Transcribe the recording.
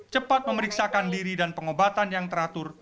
cepat memeriksakan diri dan pengobatan yang teratur